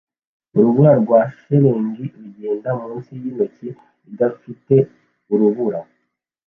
Urubura rwa shelegi rugenda munsi yintoki idafite urubura